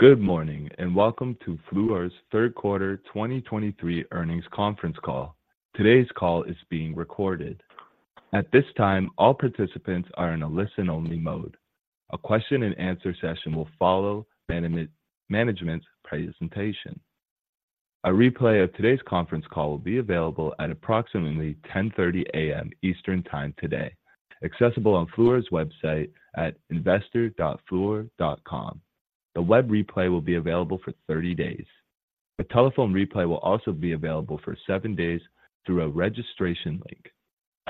Good morning, and welcome to Fluor's Third Quarter 2023 Earnings Conference Call. Today's call is being recorded. At this time, all participants are in a listen-only mode. A question and answer session will follow management, management's presentation. A replay of today's conference call will be available at approximately 10:30 A.M. Eastern Time today, accessible on Fluor's website at investor.fluor.com. The web replay will be available for 30 days. A telephone replay will also be available for seven days through a registration link,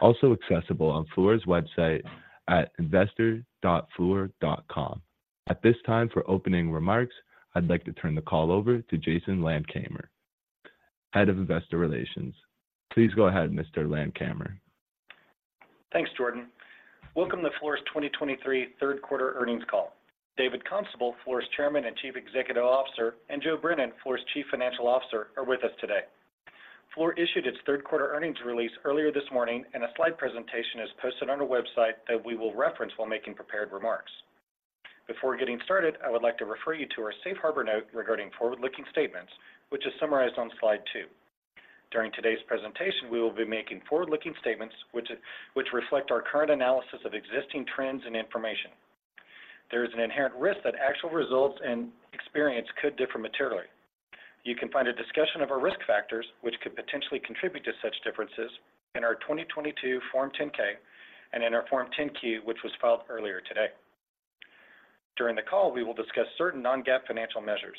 also accessible on Fluor's website at investor.fluor.com. At this time, for opening remarks, I'd like to turn the call over to Jason Landkamer, Head of Investor Relations. Please go ahead, Mr. Landkamer. Thanks, Jordan. Welcome to Fluor's 2023 Third Quarter Earnings Call. David Constable, Fluor's Chairman and Chief Executive Officer, and Joe Brennan, Fluor's Chief Financial Officer, are with us today. Fluor issued its third quarter earnings release earlier this morning, and a slide presentation is posted on our website that we will reference while making prepared remarks. Before getting started, I would like to refer you to our Safe Harbor note regarding forward-looking statements, which is summarized on slide two. During today's presentation, we will be making forward-looking statements, which reflect our current analysis of existing trends and information. There is an inherent risk that actual results and experience could differ materially. You can find a discussion of our risk factors, which could potentially contribute to such differences, in our 2022 Form 10-K and in our Form 10-Q, which was filed earlier today. During the call, we will discuss certain non-GAAP financial measures.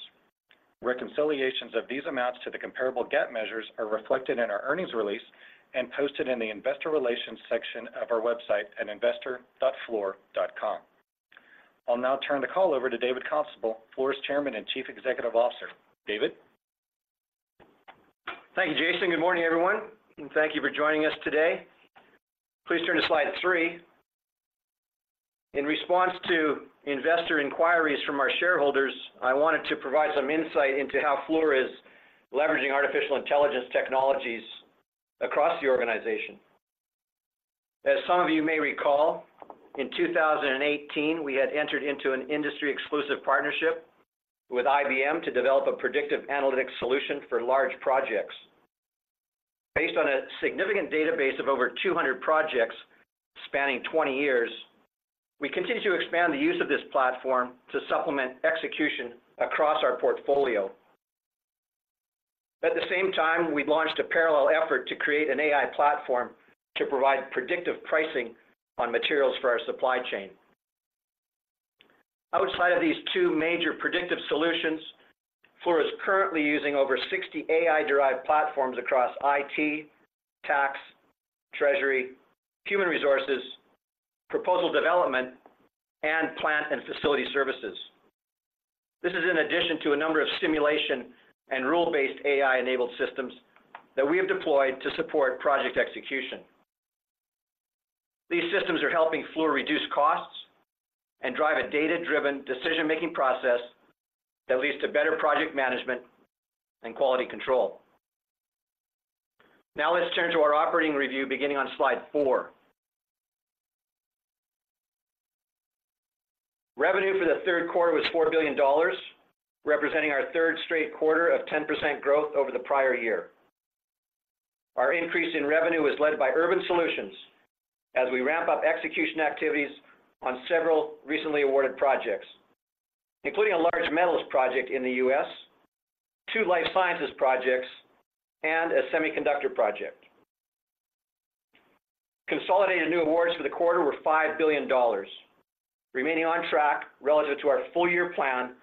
Reconciliations of these amounts to the comparable GAAP measures are reflected in our earnings release and posted in the investor relations section of our website at investor.fluor.com. I'll now turn the call over to David Constable, Fluor's Chairman and Chief Executive Officer. David? Thank you, Jason. Good morning, everyone, and thank you for joining us today. Please turn to slide three. In response to investor inquiries from our shareholders, I wanted to provide some insight into how Fluor is leveraging artificial intelligence technologies across the organization. As some of you may recall, in 2018, we had entered into an industry-exclusive partnership with IBM to develop a predictive analytics solution for large projects. Based on a significant database of over 200 projects spanning 20 years, we continue to expand the use of this platform to supplement execution across our portfolio. At the same time, we launched a parallel effort to create an AI platform to provide predictive pricing on materials for our supply chain. Outside of these two major predictive solutions, Fluor is currently using over 60 AI-derived platforms across IT, tax, treasury, human resources, proposal development, and plant and facility services. This is in addition to a number of simulation and rule-based AI-enabled systems that we have deployed to support project execution. These systems are helping Fluor reduce costs and drive a data-driven decision-making process that leads to better project management and quality control. Now, let's turn to our operating review, beginning on slide four. Revenue for the third quarter was $4 billion, representing our third straight quarter of 10% growth over the prior year. Our increase in revenue was led by Urban Solutions, as we ramp up execution activities on several recently awarded projects, including a large metals project in the U.S., two life sciences projects, and a semiconductor project. Consolidated new awards for the quarter were $5 billion, remaining on track relative to our full year plan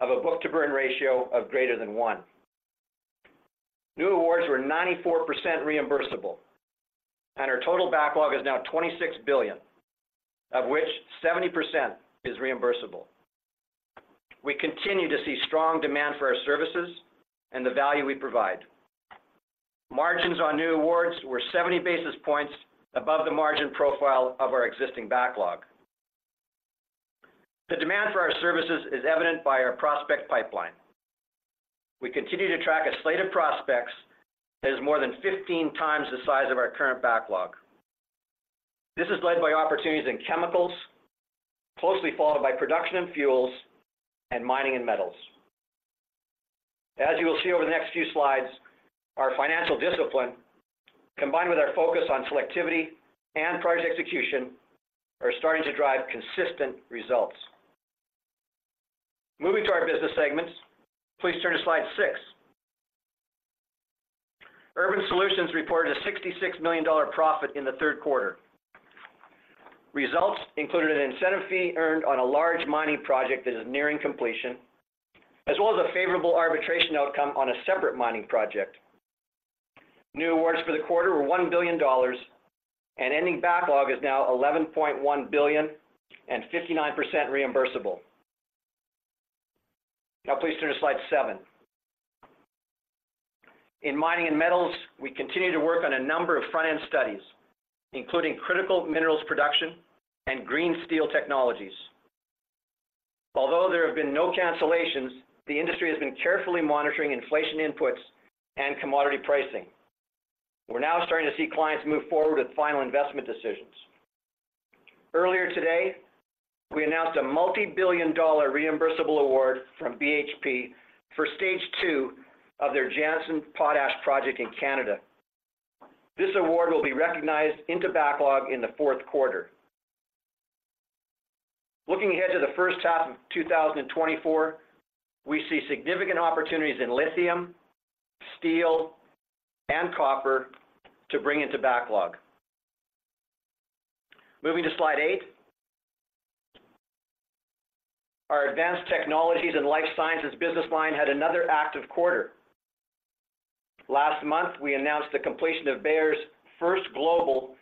of a Book-to-Burn Ratio of greater than one. New awards were 94% reimbursable, and our total backlog is now $26 billion, of which 70% is reimbursable. We continue to see strong demand for our services and the value we provide. Margins on new awards were 70 basis points above the margin profile of our existing backlog. The demand for our services is evident by our prospect pipeline. We continue to track a slate of prospects that is more than 15 times the size of our current backlog. This is led by opportunities in chemicals, closely followed by production and fuels, and mining and metals. As you will see over the next few slides, our financial discipline, combined with our focus on selectivity and project execution, are starting to drive consistent results. Moving to our business segments, please turn to slide six. Urban Solutions reported a $66 million profit in the third quarter. Results included an incentive fee earned on a large mining project that is nearing completion, as well as a favorable arbitration outcome on a separate mining project. New awards for the quarter were $1 billion, and ending backlog is now $11.1 billion and 59% reimbursable. Now, please turn to slide seven. In mining and metals, we continue to work on a number of front-end studies, including critical minerals production and green steel technologies. Although there have been no cancellations, the industry has been carefully monitoring inflation inputs and commodity pricing. We're now starting to see clients move forward with final investment decisions. Earlier today, we announced a multi-billion dollar reimbursable award from BHP for Stage 2 of their Jansen Potash project in Canada. This award will be recognized into backlog in the fourth quarter. Looking ahead to the first half of 2024, we see significant opportunities in lithium, steel, and copper to bring into backlog. Moving to slide eight. Our Advanced Technologies and Life Sciences business line had another active quarter. Last month, we announced the completion of Bayer's first global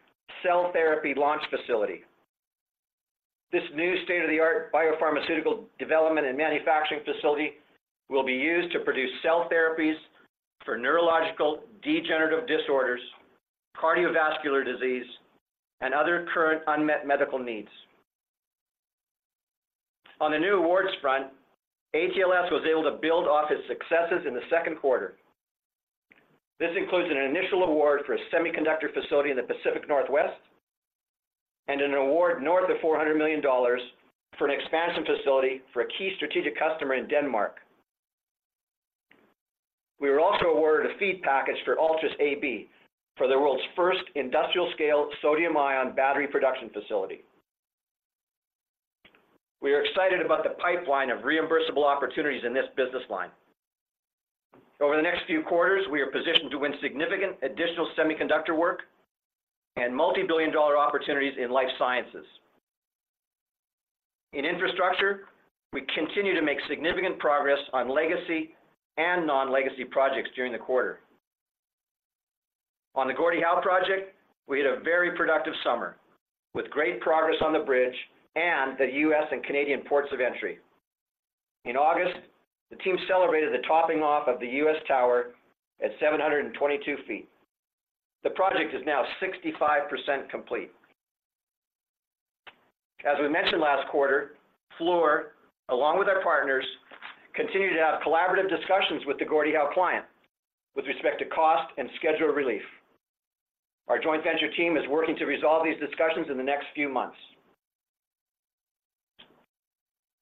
cell therapy launch facility. This new state-of-the-art biopharmaceutical development and manufacturing facility will be used to produce cell therapies for neurological degenerative disorders, cardiovascular disease, and other current unmet medical needs. On the new awards front, ATLS was able to build off its successes in the second quarter. This includes an initial award for a semiconductor facility in the Pacific Northwest, and an award north of $400 million for an expansion facility for a key strategic customer in Denmark. We were also awarded a FEED package for Altris AB, for the world's first industrial-scale sodium-ion battery production facility. We are excited about the pipeline of reimbursable opportunities in this business line. Over the next few quarters, we are positioned to win significant additional semiconductor work and multi-billion dollar opportunities in life sciences. In infrastructure, we continued to make significant progress on legacy and non-legacy projects during the quarter. On the Gordie Howe Project, we had a very productive summer, with great progress on the bridge and the U.S. and Canadian ports of entry. In August, the team celebrated the topping off of the U.S. tower at 722 feet. The project is now 65% complete. As we mentioned last quarter, Fluor, along with our partners, continued to have collaborative discussions with the Gordie Howe client with respect to cost and schedule relief. Our joint venture team is working to resolve these discussions in the next few months.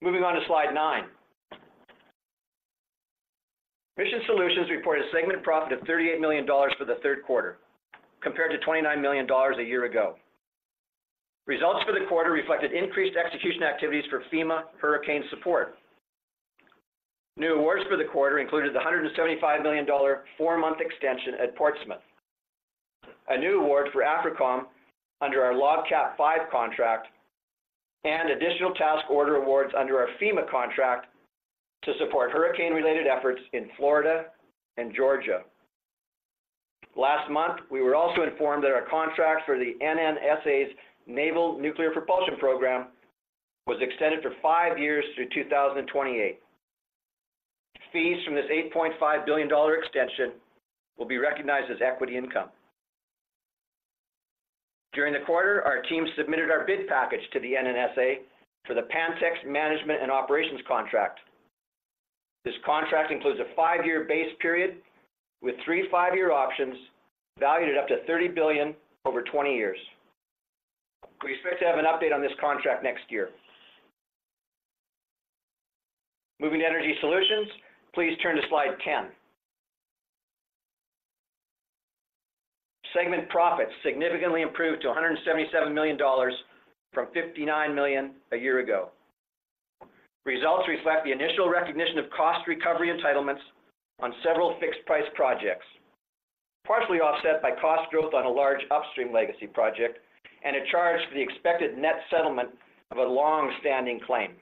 Moving on to slide nine. Mission Solutions reported a segment profit of $38 million for the third quarter, compared to $29 million a year ago. Results for the quarter reflected increased execution activities for FEMA hurricane support. New awards for the quarter included the $175 million four-month extension at Portsmouth, a new award for AFRICOM under our LOGCAP V contract, and additional task order awards under our FEMA contract to support hurricane-related efforts in Florida and Georgia. Last month, we were also informed that our contract for the NNSA's Naval Nuclear Propulsion Program was extended for five years through 2028. Fees from this $8.5 billion extension will be recognized as equity income. During the quarter, our team submitted our bid package to the NNSA for the Pantex Management and Operations contract. This contract includes a five-year base period with three five-year options, valued at up to $30 billion over 20 years. We expect to have an update on this contract next year. Moving to Energy Solutions, please turn to slide 10. Segment profits significantly improved to $177 million from $59 million a year ago. Results reflect the initial recognition of cost recovery entitlements on several fixed-price projects, partially offset by cost growth on a large upstream legacy project and a charge for the expected net settlement of a long-standing claim.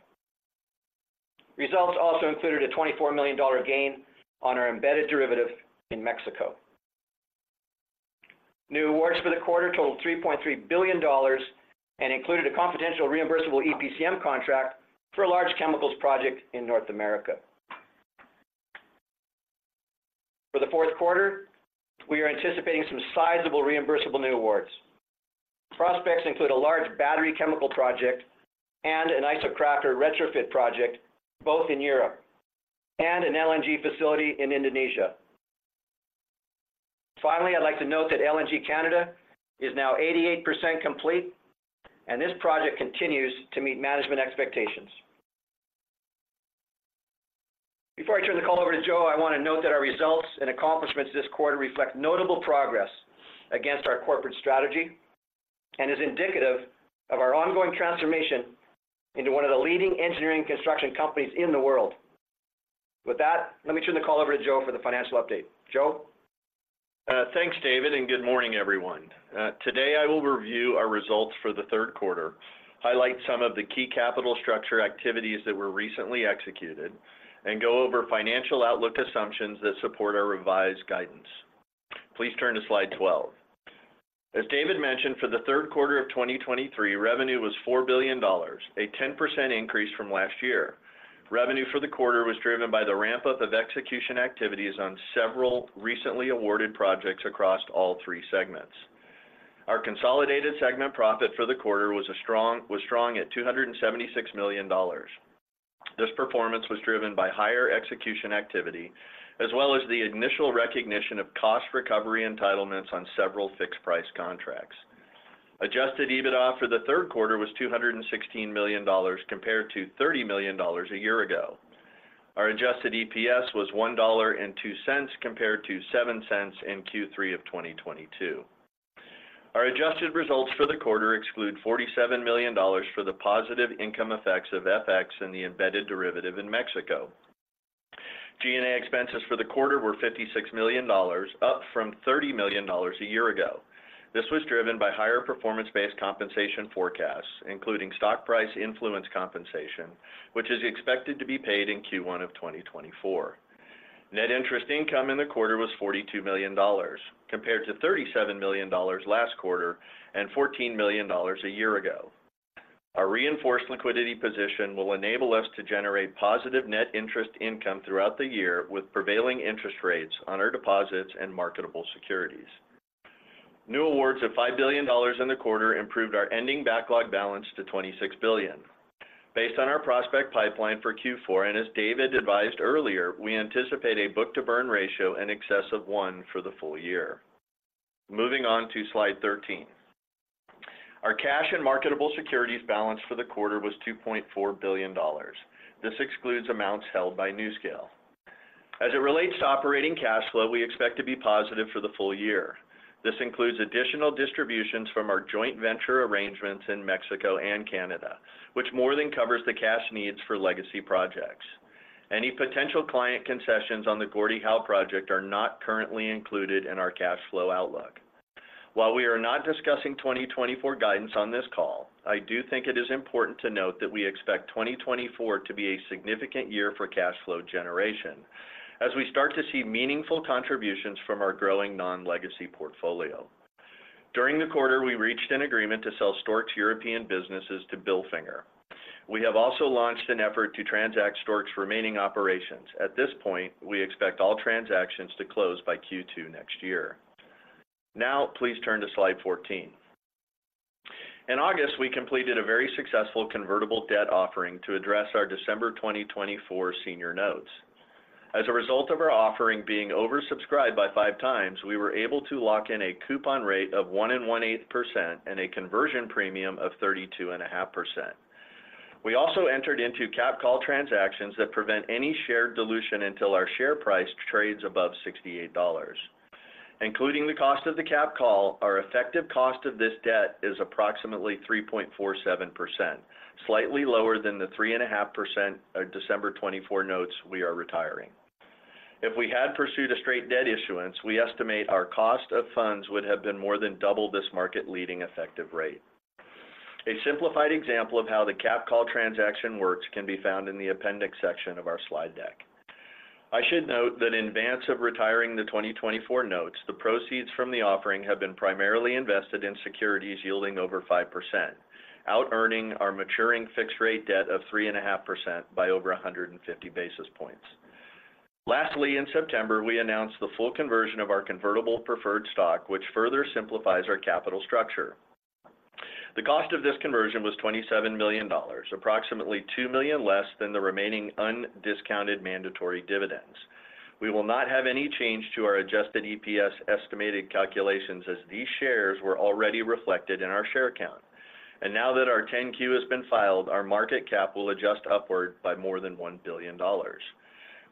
Results also included a $24 million gain on our embedded derivative in Mexico. New awards for the quarter totaled $3.3 billion and included a confidential reimbursable EPCM contract for a large chemicals project in North America. For the fourth quarter, we are anticipating some sizable reimbursable new awards. Prospects include a large battery chemical project and an Isocracker retrofit project, both in Europe, and an LNG facility in Indonesia. Finally, I'd like to note that LNG Canada is now 88% complete, and this project continues to meet management expectations. Before I turn the call over to Joe, I want to note that our results and accomplishments this quarter reflect notable progress against our corporate strategy and is indicative of our ongoing transformation into one of the leading engineering construction companies in the world. With that, let me turn the call over to Joe for the financial update. Joe? Thanks, David, and good morning, everyone. Today, I will review our results for the third quarter, highlight some of the key capital structure activities that were recently executed, and go over financial outlook assumptions that support our revised guidance. Please turn to slide 12. As David mentioned, for the third quarter of 2023, revenue was $4 billion, a 10% increase from last year. Revenue for the quarter was driven by the ramp-up of execution activities on several recently awarded projects across all three segments. Our consolidated segment profit for the quarter was strong at $276 million. This performance was driven by higher execution activity as well as the initial recognition of cost recovery entitlements on several fixed-price contracts. Adjusted EBITDA for the third quarter was $216 million, compared to $30 million a year ago. Our adjusted EPS was $1.02, compared to $0.07 in Q3 of 2022. Our adjusted results for the quarter exclude $47 million for the positive income effects of FX and the embedded derivative in Mexico. G&A expenses for the quarter were $56 million, up from $30 million a year ago. This was driven by higher performance-based compensation forecasts, including stock price influence compensation, which is expected to be paid in Q1 of 2024. Net interest income in the quarter was $42 million, compared to $37 million last quarter and $14 million a year ago. Our reinforced liquidity position will enable us to generate positive net interest income throughout the year with prevailing interest rates on our deposits and marketable securities. New awards of $5 billion in the quarter improved our ending backlog balance to $26 billion. Based on our prospect pipeline for Q4, and as David advised earlier, we anticipate a book-to-burn ratio in excess of one for the full year. Moving on to slide 13. Our cash and marketable securities balance for the quarter was $2.4 billion. This excludes amounts held by NuScale. As it relates to operating cash flow, we expect to be positive for the full year. This includes additional distributions from our joint venture arrangements in Mexico and Canada, which more than covers the cash needs for legacy projects. Any potential client concessions on the Gordie Howe project are not currently included in our cash flow outlook. While we are not discussing 2024 guidance on this call, I do think it is important to note that we expect 2024 to be a significant year for cash flow generation as we start to see meaningful contributions from our growing non-legacy portfolio. During the quarter, we reached an agreement to sell Stork's European businesses to Bilfinger. We have also launched an effort to transact Stork's remaining operations. At this point, we expect all transactions to close by Q2 next year. Now, please turn to slide 14. In August, we completed a very successful convertible debt offering to address our December 2024 senior notes. As a result of our offering being oversubscribed by 5x, we were able to lock in a coupon rate of 1.125% and a conversion premium of 32.5%. We also entered into cap call transactions that prevent any share dilution until our share price trades above $68. Including the cost of the cap call, our effective cost of this debt is approximately 3.47%, slightly lower than the 3.5% of December 2024 notes we are retiring. If we had pursued a straight debt issuance, we estimate our cost of funds would have been more than double this market-leading effective rate. A simplified example of how the cap call transaction works can be found in the appendix section of our slide deck. I should note that in advance of retiring the 2024 notes, the proceeds from the offering have been primarily invested in securities yielding over 5%, outearning our maturing fixed rate debt of 3.5% by over 150 basis points. Lastly, in September, we announced the full conversion of our convertible preferred stock, which further simplifies our capital structure. The cost of this conversion was $27 million, approximately $2 million less than the remaining undiscounted mandatory dividends. We will not have any change to our adjusted EPS estimated calculations as these shares were already reflected in our share count. Now that our 10-Q has been filed, our market cap will adjust upward by more than $1 billion.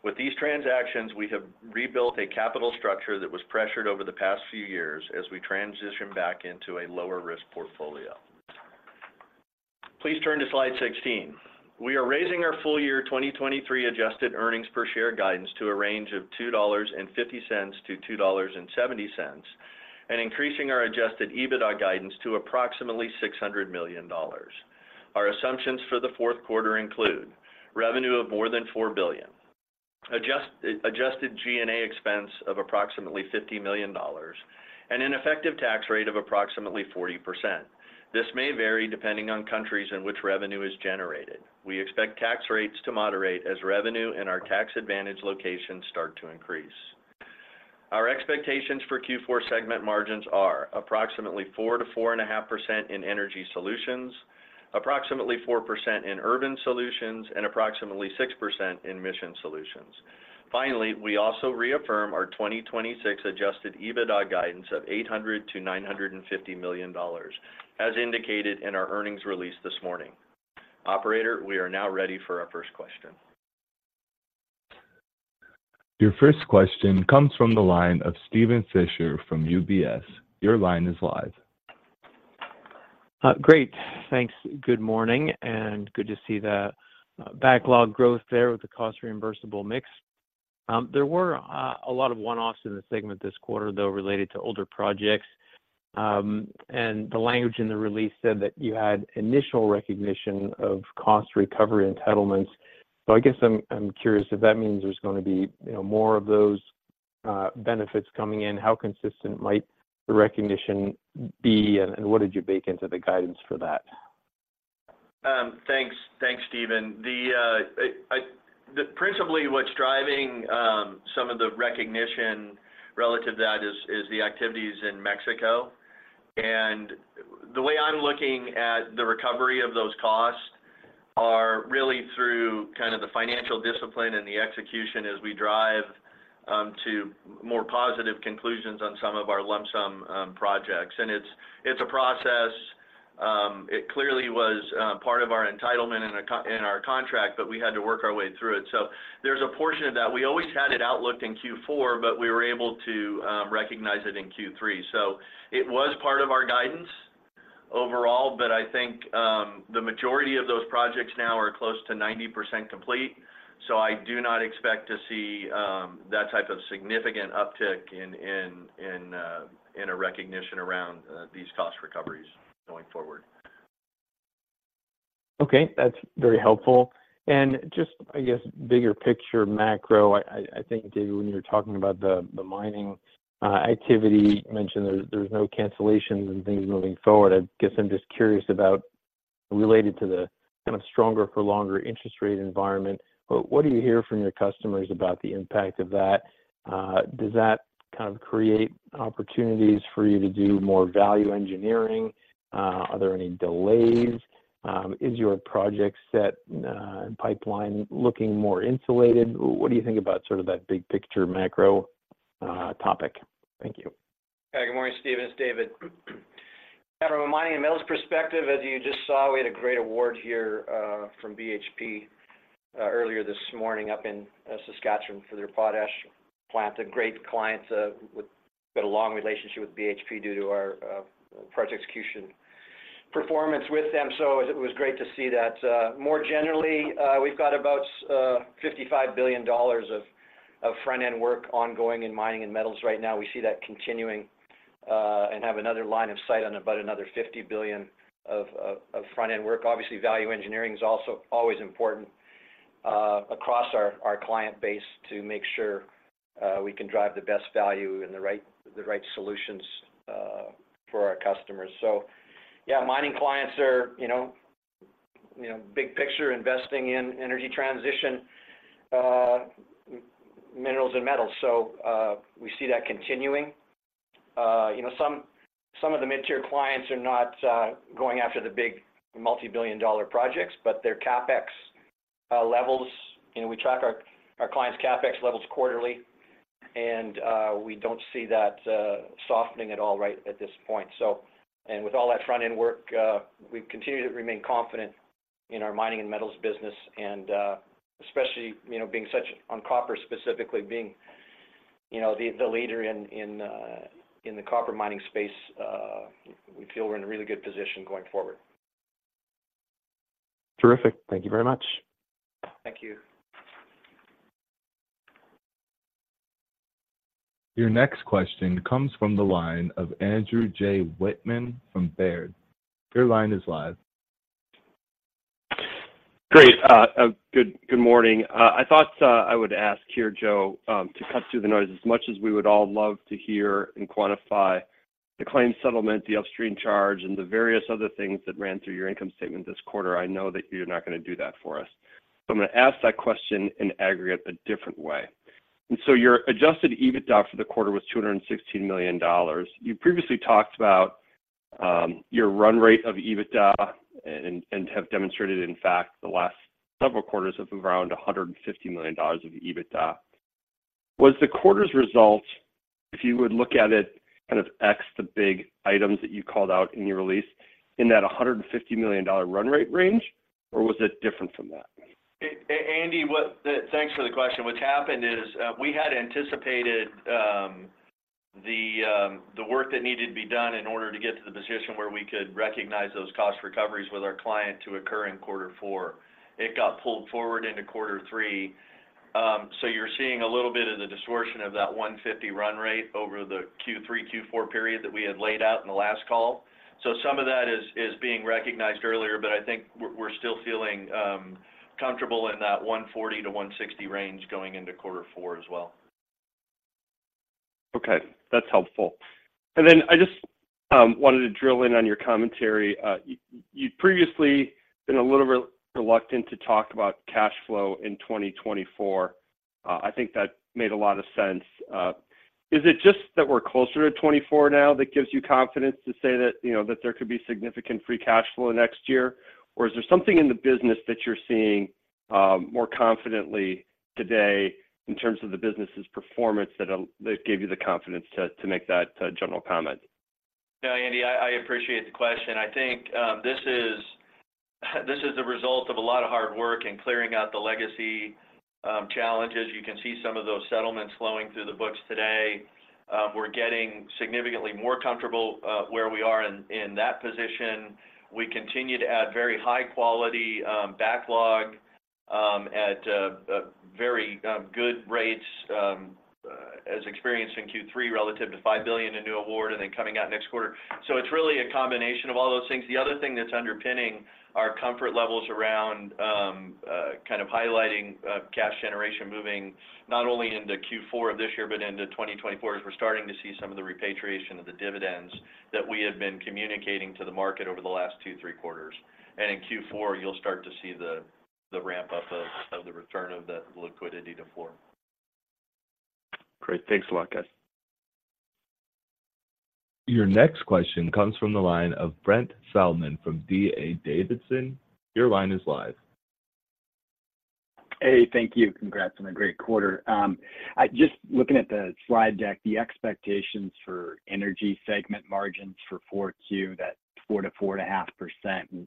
With these transactions, we have rebuilt a capital structure that was pressured over the past few years as we transition back into a lower risk portfolio. Please turn to slide 16. We are raising our full year 2023 adjusted earnings per share guidance to a range of $2.50-$2.70, and increasing our Adjusted EBITDA guidance to approximately $600 million. Our assumptions for the fourth quarter include revenue of more than $4 billion, adjusted G&A expense of approximately $50 million, and an effective tax rate of approximately 40%. This may vary depending on countries in which revenue is generated. We expect tax rates to moderate as revenue in our tax advantage locations start to increase. Our expectations for Q4 segment margins are approximately 4%-4.5% in energy solutions, approximately 4% in urban solutions, and approximately 6% in mission solutions. Finally, we also reaffirm our 2026 Adjusted EBITDA guidance of $800 million-$950 million, as indicated in our earnings release this morning. Operator, we are now ready for our first question. Your first question comes from the line of Steven Fisher from UBS. Your line is live. Great. Thanks. Good morning, and good to see the backlog growth there with the cost reimbursable mix. There were a lot of one-offs in the segment this quarter, though, related to older projects. And the language in the release said that you had initial recognition of cost recovery entitlements. So I guess I'm curious if that means there's gonna be, you know, more of those benefits coming in? How consistent might the recognition be, and what did you bake into the guidance for that? Thanks. Thanks, Steven. Principally, what's driving some of the recognition relative to that is the activities in Mexico. The way I'm looking at the recovery of those costs are really through kind of the financial discipline and the execution as we drive to more positive conclusions on some of our lump sum projects. It's, it's a process, it clearly was part of our entitlement in our contract, but we had to work our way through it. So there's a portion of that. We always had it outlooked in Q4, but we were able to recognize it in Q3. So it was part of our guidance overall, but I think the majority of those projects now are close to 90% complete, so I do not expect to see that type of significant uptick in recognition around these cost recoveries going forward. Okay, that's very helpful. And just, I guess, bigger picture macro, I think, David, when you were talking about the mining activity, you mentioned there, there's no cancellations and things moving forward. I guess I'm just curious about related to the kind of stronger for longer interest rate environment, but what do you hear from your customers about the impact of that? Does that kind of create opportunities for you to do more value engineering? Are there any delays? Is your project set and pipeline looking more insulated? What do you think about sort of that big picture macro topic? Thank you. Yeah, good morning, Steve, it's David. From a mining and metals perspective, as you just saw, we had a great award here, from BHP, earlier this morning up in, Saskatchewan for their potash plant. A great client, got a long relationship with BHP due to our, project execution performance with them, so it, it was great to see that. More generally, we've got about $55 billion of front-end work ongoing in mining and metals right now. We see that continuing, and have another line of sight on about another $50 billion of front-end work. Obviously, value engineering is also always important, across our, client base to make sure, we can drive the best value and the right, the right solutions, for our customers. So yeah, mining clients are, you know, big picture, investing in energy transition, minerals and metals. So, we see that continuing. You know, some of the mid-tier clients are not going after the big multibillion-dollar projects, but their CapEx levels... You know, we track our clients' CapEx levels quarterly, and we don't see that softening at all right at this point. So - and with all that front-end work, we continue to remain confident in our mining and metals business, and especially, you know, being such... On copper specifically, being, you know, the leader in the copper mining space, we feel we're in a really good position going forward. Terrific. Thank you very much. Thank you. Your next question comes from the line of Andrew J. Wittmann from Baird. Your line is live. Great. Good morning. I thought I would ask here, Joe, to cut through the noise. As much as we would all love to hear and quantify the claim settlement, the upstream charge, and the various other things that ran through your income statement this quarter, I know that you're not going to do that for us. So I'm going to ask that question in aggregate a different way. And so your Adjusted EBITDA for the quarter was $216 million. You previously talked about your run rate of EBITDA and have demonstrated, in fact, the last several quarters of around $150 million of EBITDA. Was the quarter's result, if you would look at it, kind of X, the big items that you called out in your release, in that $150 million run rate range, or was it different from that? Andy, thanks for the question. What's happened is, we had anticipated, the work that needed to be done in order to get to the position where we could recognize those cost recoveries with our client to occur in quarter four. It got pulled forward into quarter three. So you're seeing a little bit of the distortion of that $150 run rate over the Q3, Q4 period that we had laid out in the last call. So some of that is, is being recognized earlier, but I think we're, we're still feeling comfortable in that $140-$160 range going into quarter four as well. Okay. That's helpful. And then I just wanted to drill in on your commentary. You'd previously been a little bit reluctant to talk about cash flow in 2024. I think that made a lot of sense. Is it just that we're closer to 2024 now that gives you confidence to say that, you know, that there could be significant free cash flow next year? Or is there something in the business that you're seeing more confidently today in terms of the business's performance that that gave you the confidence to make that general comment? Yeah, Andy, I appreciate the question. I think, this is the result of a lot of hard work in clearing out the legacy challenges. You can see some of those settlements flowing through the books today. We're getting significantly more comfortable where we are in that position. We continue to add very high quality backlog at a very good rates as experienced in Q3 relative to $5 billion in new award and then coming out next quarter. So it's really a combination of all those things. The other thing that's underpinning our comfort levels around, kind of highlighting, cash generation moving not only into Q4 of this year, but into 2024, is we're starting to see some of the repatriation of the dividends that we had been communicating to the market over the last two, three quarters. In Q4, you'll start to see the ramp up of the return of that liquidity to Fluor.... Great. Thanks a lot, guys. Your next question comes from the line of Brent Thielman from D.A. Davidson. Your line is live. Hey, thank you. Congrats on a great quarter. I just looking at the slide deck, the expectations for energy segment margins for Q4, that 4%-4.5%, you know,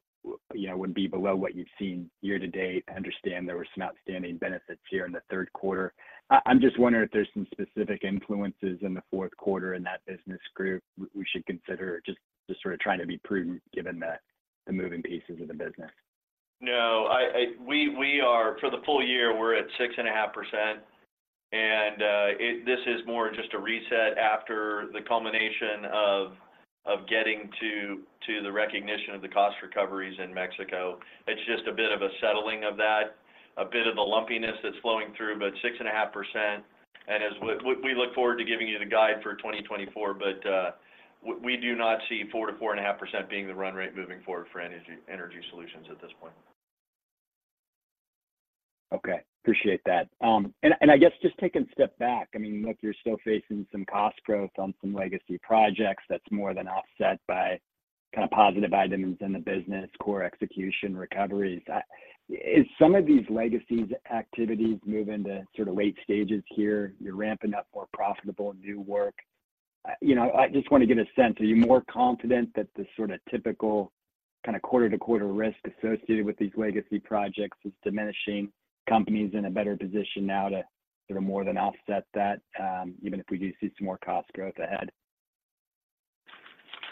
would be below what you've seen year to date. I understand there were some outstanding benefits here in the third quarter. I'm just wondering if there's some specific influences in the fourth quarter in that business group we should consider, just, just sort of trying to be prudent given the moving pieces of the business. No, we are for the full year, we're at 6.5%, and this is more just a reset after the culmination of getting to the recognition of the cost recoveries in Mexico. It's just a bit of a settling of that, a bit of the lumpiness that's flowing through. But 6.5%, and as we look forward to giving you the guide for 2024, but we do not see 4%-4.5% being the run rate moving forward for energy solutions at this point. Okay. Appreciate that. And I guess just taking a step back, I mean, look, you're still facing some cost growth on some legacy projects that's more than offset by kind of positive items in the business, core execution recoveries. Is some of these legacy activities moving to sort of late stages here? You're ramping up more profitable new work. You know, I just want to get a sense, are you more confident that the sort of typical, kind of, quarter-to-quarter risk associated with these legacy projects is diminishing, company's in a better position now to sort of more than offset that, even if we do see some more cost growth ahead?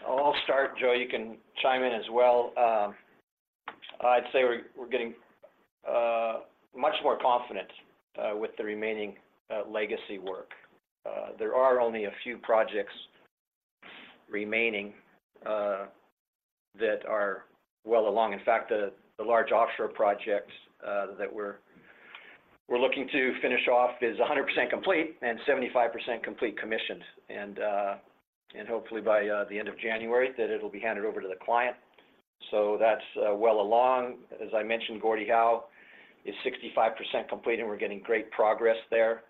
I'll start, Joe. You can chime in as well. I'd say we're, we're getting much more confident with the remaining legacy work. There are only a few projects remaining that are well along. In fact, the large offshore projects that we're, we're looking to finish off is 100% complete and 75% complete commissioned, and hopefully by the end of January, that it'll be handed over to the client. So that's well along. As I mentioned, Gordie Howe is 65% complete, and we're getting great progress there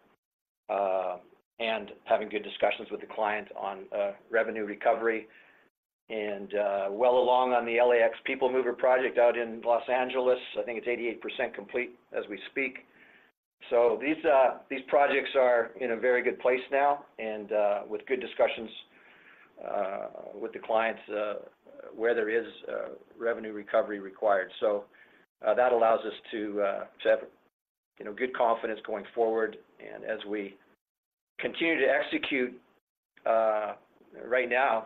and having good discussions with the client on revenue recovery. And well along on the LAX People Mover project out in Los Angeles, I think it's 88% complete as we speak. So these, these projects are in a very good place now, and, with good discussions, with the clients, where there is, revenue recovery required. So, that allows us to, to have, you know, good confidence going forward. And as we continue to execute, right now,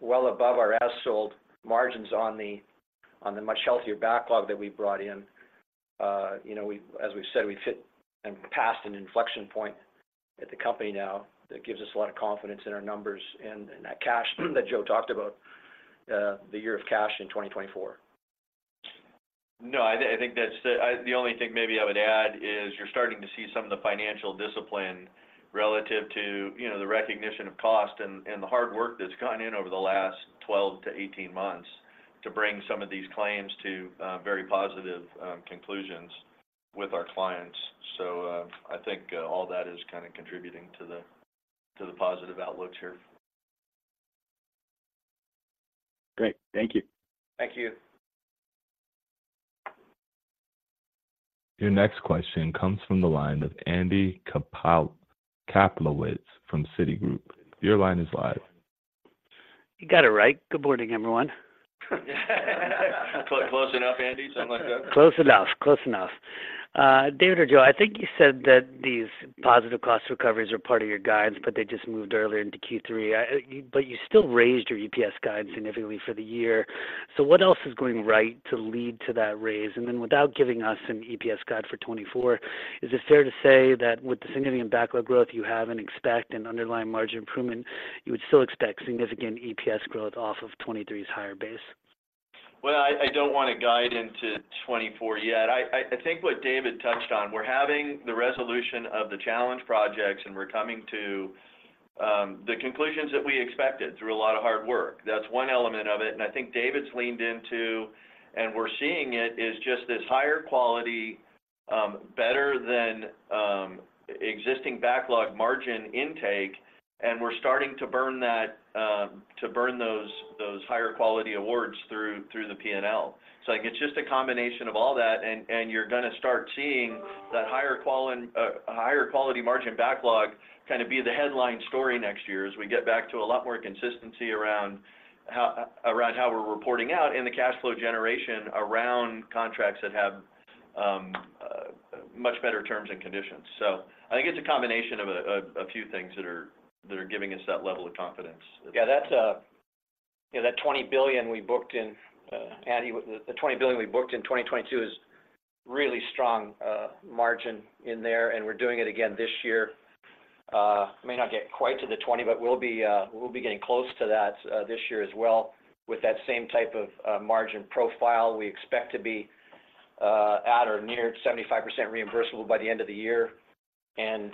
well above our as sold margins on the, on the much healthier backlog that we brought in, you know, we've-- as we've said, we've hit and passed an inflection point at the company now that gives us a lot of confidence in our numbers and, and that cash, that Joe talked about, the year of cash in 2024. No, I think that's the. The only thing maybe I would add is, you're starting to see some of the financial discipline relative to, you know, the recognition of cost and the hard work that's gone in over the last 12-18 months to bring some of these claims to very positive conclusions with our clients. So, I think all that is kind of contributing to the positive outlooks here. Great. Thank you. Thank you. Your next question comes from the line of Andy Kaplowitz from Citigroup. Your line is live. You got it right. Good morning, everyone. Close enough, Andy? Something like that. Close enough. Close enough. David or Joe, I think you said that these positive cost recoveries are part of your guidance, but they just moved earlier into Q3. But you still raised your EPS guide significantly for the year. So what else is going right to lead to that raise? And then, without giving us an EPS guide for 2024, is it fair to say that with the significant backlog growth you have and expect an underlying margin improvement, you would still expect significant EPS growth off of 2023's higher base? Well, I don't want to guide into 2024 yet. I think what David touched on, we're having the resolution of the challenge projects, and we're coming to the conclusions that we expected through a lot of hard work. That's one element of it, and I think David's leaned into, and we're seeing it, is just this higher quality, better than existing backlog margin intake, and we're starting to burn that to burn those higher quality awards through the P&L. So I think it's just a combination of all that, and you're gonna start seeing that higher quality margin backlog kind of be the headline story next year, as we get back to a lot more consistency around how we're reporting out and the cash flow generation around contracts that have much better terms and conditions. So I think it's a combination of a few things that are giving us that level of confidence. Yeah, that's... You know, that $20 billion we booked in, Andy, the $20 billion we booked in 2022 is really strong margin in there, and we're doing it again this year. May not get quite to the 20, but we'll be, we'll be getting close to that this year as well, with that same type of margin profile. We expect to be at or near 75% reimbursable by the end of the year. And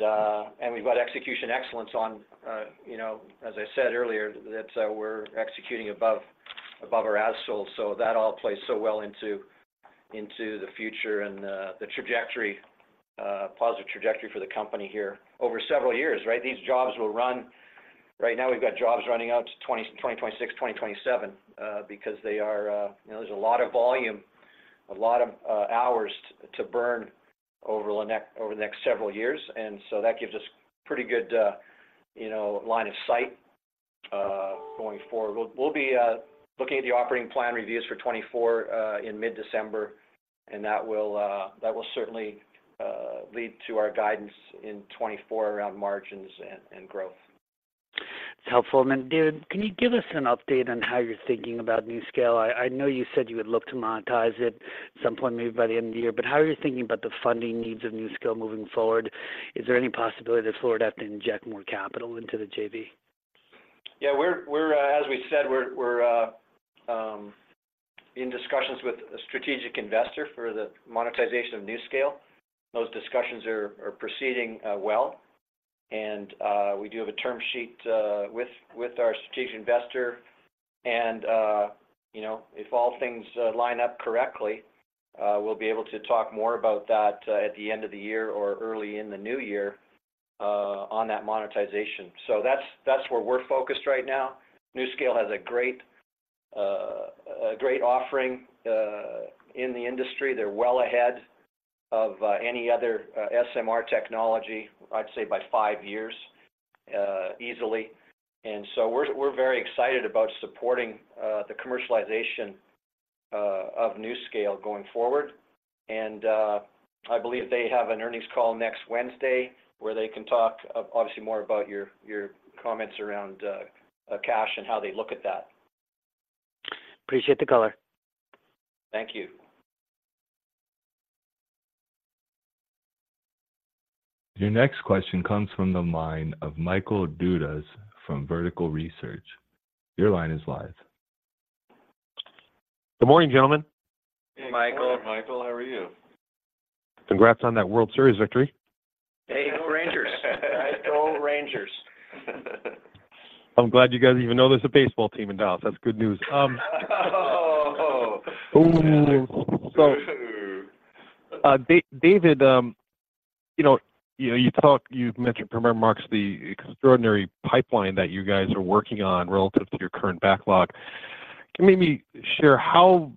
we've got execution excellence on, you know, as I said earlier, that we're executing above our as sold. So that all plays so well into into the future and the trajectory, positive trajectory for the company here over several years, right? These jobs will run right now. We've got jobs running out to 2026, 2027, because they are. You know, there's a lot of volume, a lot of hours to burn over the next several years. And so that gives us pretty good, you know, line of sight going forward. We'll be looking at the operating plan reviews for 2024 in mid-December, and that will certainly lead to our guidance in 2024 around margins and growth. It's helpful. And then, David, can you give us an update on how you're thinking about NuScale? I know you said you would look to monetize it at some point, maybe by the end of the year, but how are you thinking about the funding needs of NuScale moving forward? Is there any possibility that Fluor would have to inject more capital into the JV? Yeah, we're, as we said, we're in discussions with a strategic investor for the monetization of NuScale. Those discussions are proceeding well, and we do have a term sheet with our strategic investor. And, you know, if all things line up correctly, we'll be able to talk more about that at the end of the year or early in the new year on that monetization. So that's where we're focused right now. NuScale has a great offering in the industry. They're well ahead of any other SMR technology, I'd say by five years easily. And so we're very excited about supporting the commercialization of NuScale going forward. I believe they have an earnings call next Wednesday, where they can talk obviously more about your comments around cash and how they look at that. Appreciate the color. Thank you. Your next question comes from the line of Michael Dudas from Vertical Research. Your line is live. Good morning, gentlemen. Hey, Michael. Good morning, Michael. How are you? Congrats on that World Series victory. Hey, go Rangers. Go Rangers. I'm glad you guys even know there's a baseball team in Dallas. That's good news. Oh! Ooh. So, David, you know, you know, you've mentioned in your remarks the extraordinary pipeline that you guys are working on relative to your current backlog. Can maybe share how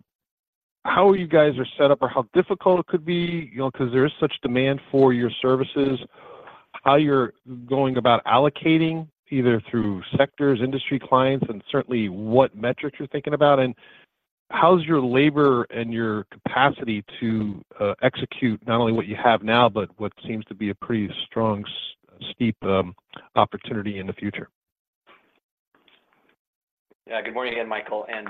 you guys are set up or how difficult it could be, you know, because there is such demand for your services, how you're going about allocating, either through sectors, industry, clients, and certainly what metrics you're thinking about? And how's your labor and your capacity to execute not only what you have now, but what seems to be a pretty strong, steep opportunity in the future? Yeah. Good morning again, Michael. And,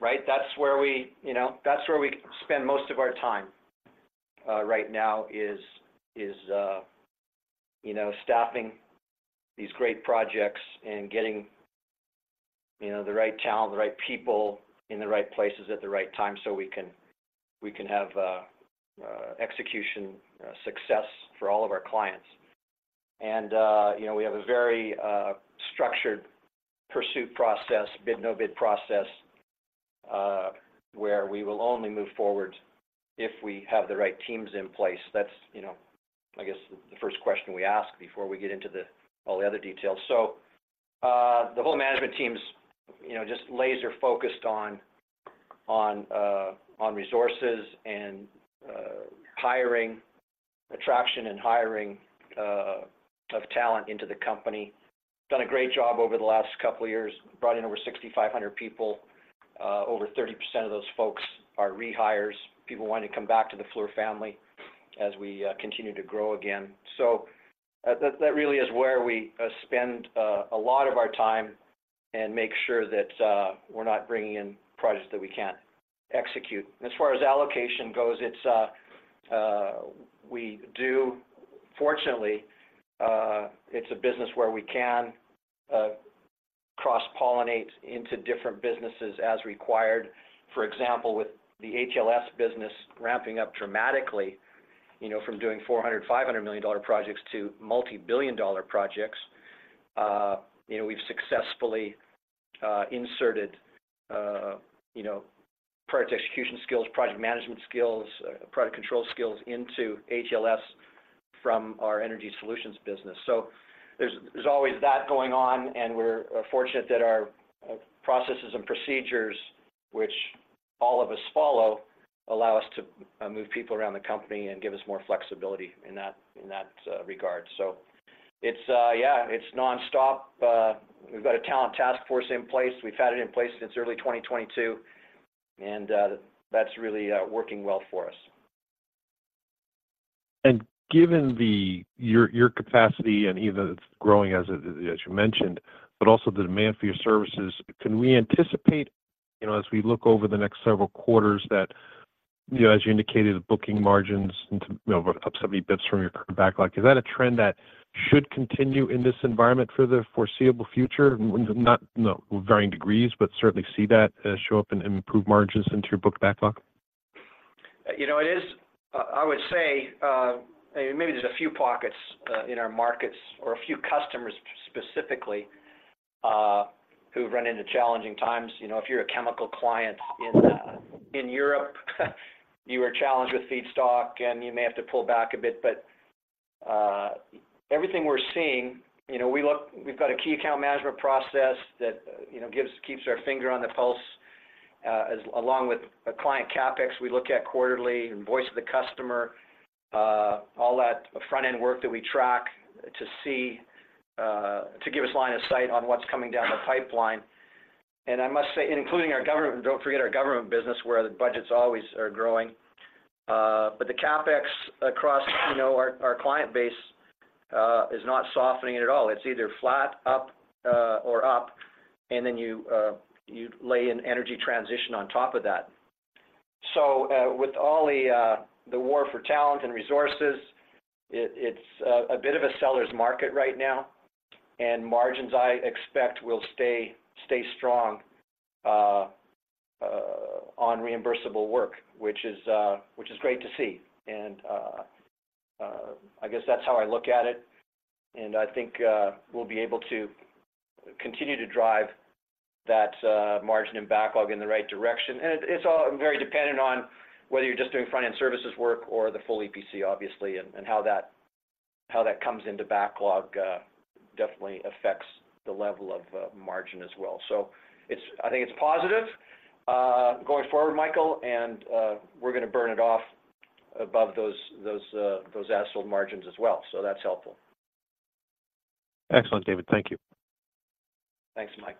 right, that's where we, you know, that's where we spend most of our time, right now, is staffing these great projects and getting, you know, the right talent, the right people in the right places at the right time, so we can, we can have execution success for all of our clients. And, you know, we have a very structured pursuit process, bid, no-bid process, where we will only move forward if we have the right teams in place. That's, you know, I guess, the first question we ask before we get into all the other details. So, the whole management team's, you know, just laser-focused on resources and hiring... attraction and hiring of talent into the company. Done a great job over the last couple of years, brought in over 6,500 people. Over 30% of those folks are rehires, people wanting to come back to the Fluor family as we continue to grow again. So, that really is where we spend a lot of our time and make sure that we're not bringing in projects that we can't execute. As far as allocation goes, it's fortunately a business where we can cross-pollinate into different businesses as required. For example, with the ATLS business ramping up dramatically, you know, from doing $400 million-$500 million projects to multi-billion dollar projects, you know, we've successfully inserted you know project execution skills, project management skills, project control skills into ATLS from our energy solutions business. So there's, there's always that going on, and we're fortunate that our processes and procedures, which all of us follow, allow us to move people around the company and give us more flexibility in that, in that regard. So it's, yeah, it's nonstop. We've got a talent task force in place. We've had it in place since early 2022, and that's really working well for us. And given your, your capacity and even it's growing as it, as you mentioned, but also the demand for your services, can we anticipate, you know, as we look over the next several quarters, that, you know, as you indicated, booking margins into, you know, up 70 basis points from your current backlog, is that a trend that should continue in this environment for the foreseeable future? No, not no, varying degrees, but certainly see that show up in improved margins into your book backlog. You know, it is, I would say, maybe there's a few pockets in our markets or a few customers specifically, who've run into challenging times. You know, if you're a chemical client in in Europe, you are challenged with feedstock, and you may have to pull back a bit. But, everything we're seeing, you know, we look, we've got a key account management process that, you know, gives, keeps our finger on the pulse, as along with a client CapEx we look at quarterly and voice of the customer, all that front-end work that we track to see, to give us line of sight on what's coming down the pipeline. And I must say, including our government, don't forget our government business, where the budgets always are growing. But the CapEx across, you know, our client base, is not softening at all. It's either flat, up, or up, and then you, you lay in energy transition on top of that. So, with all the, the war for talent and resources, it's a bit of a seller's market right now, and margins, I expect, will stay strong on reimbursable work, which is great to see. And I guess that's how I look at it, and I think we'll be able to continue to drive that margin and backlog in the right direction. And it's all very dependent on whether you're just doing front-end services work or the full EPC, obviously, and how that comes into backlog definitely affects the level of margin as well. So it's- I think it's positive going forward, Michael, and we're gonna burn it off above those as sold margins as well. So that's helpful. Excellent, David. Thank you. Thanks, Mike.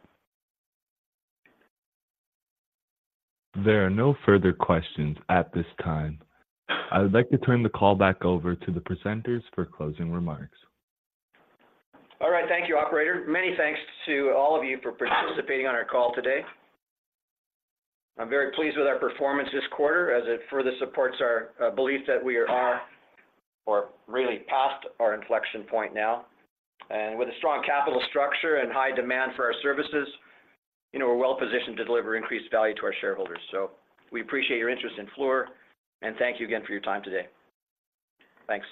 There are no further questions at this time. I would like to turn the call back over to the presenters for closing remarks. All right. Thank you, operator. Many thanks to all of you for participating on our call today. I'm very pleased with our performance this quarter, as it further supports our belief that we are really past our inflection point now. And with a strong capital structure and high demand for our services, you know, we're well positioned to deliver increased value to our shareholders. So we appreciate your interest in Fluor, and thank you again for your time today. Thanks.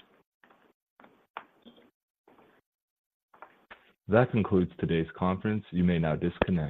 That concludes today's conference. You may now disconnect.